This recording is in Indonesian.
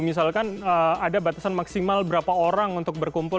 misalkan ada batasan maksimal berapa orang untuk berkumpul